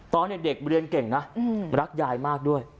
ตอนเด็กเรียนเก่งนะรักยายมากด้วย